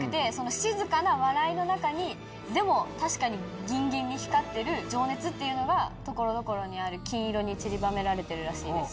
静かな笑いの中に確かにギンギンに光ってる情熱っていうのが所々にある金色にちりばめられてるらしいです。